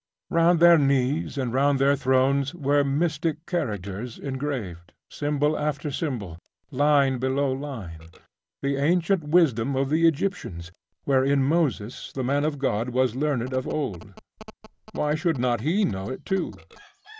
Round their knees and round their thrones were mystic characters engraved, symbol after symbol, line below line the ancient wisdom of the Egyptians, wherein Moses the man of God was learned of old why should not he know it too?